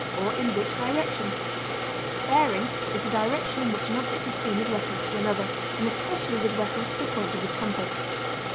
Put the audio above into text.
or, in which direction? Bearing is the direction in which an object is seen with reference to another, and especially with reference to the points of the compass.